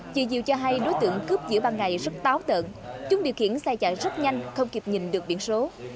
chị diều cho hay đối tượng cướp giữa ban ngày rất táo tợn chúng điều khiển xe chạy rất nhanh không kịp nhìn được biển số